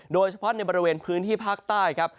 โดยเฉพาะในบริเวณพื้นที่ภาคใต้ครับ